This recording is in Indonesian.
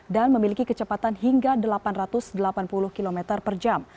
dan memiliki kecepatan hingga delapan ratus delapan puluh km per jam